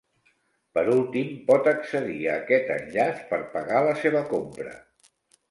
Per últim, pot accedir a aquest enllaç per pagar la seva compra.